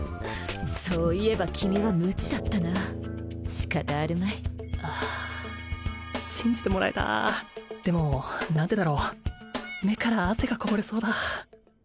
そういえば君は無知だったな仕方あるまい信じてもらえたでも何でだろう目から汗がこぼれそうだ